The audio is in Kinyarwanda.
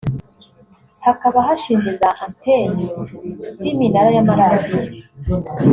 hakaba hashinze za anteni z’iminara y’amaradiyo